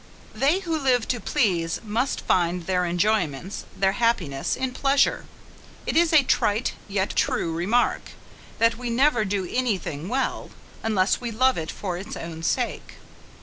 They who live to please must find their enjoyments, their happiness, in pleasure! It is a trite, yet true remark, that we never do any thing well, unless we love it for its own sake.